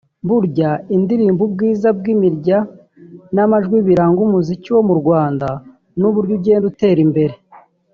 Burya indirimbo ubwiza bw’imirya n’amajwi biranga umuziki wo mu Rwanda n’uburyo ugenda utera imbere